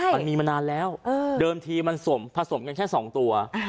มันมีมานานแล้วเดิมทีมันผสมกันแค่๒ตัว